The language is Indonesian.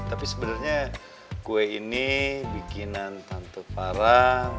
tapi sebenernya kue ini bikinan tante farah